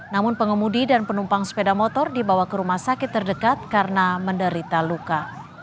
namun pengemudi dan penumpang sepeda motor dibawa ke rumah sakit terdekat karena menderita luka